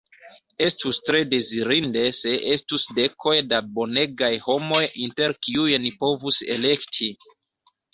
Estus tre dezirinde se estus dekoj da bonegaj homoj inter kiuj ni povus elekti.